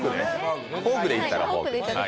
フォークでいったら？